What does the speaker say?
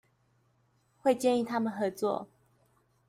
會建議他們合作